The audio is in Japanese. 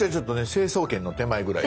成層圏の手前ぐらい。